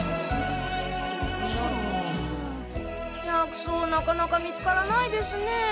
薬草なかなか見つからないですね。